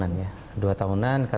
karena banyak yang berpengalaman